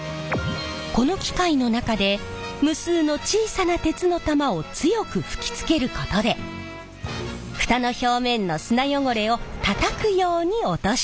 この機械の中で無数の小さな鉄の玉を強く吹きつけることで蓋の表面の砂汚れをたたくように落としているんです。